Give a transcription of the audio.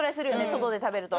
外で食べると。